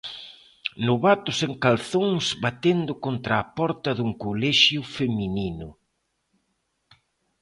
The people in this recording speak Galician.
Novatos en calzóns batendo contra a porta dun colexio feminino.